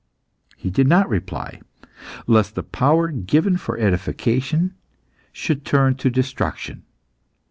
He did not reply, lest the power given for edification should turn to destruction.